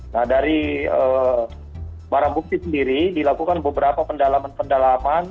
nah dari barang bukti sendiri dilakukan beberapa pendalaman pendalaman